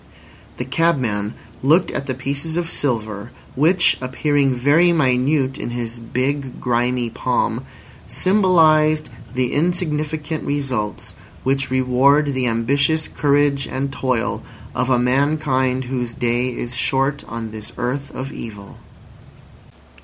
The cabman looked at the pieces of silver, which, appearing very minute in his big, grimy palm, symbolised the insignificant results which reward the ambitious courage and toil of a mankind whose day is short on this earth of evil.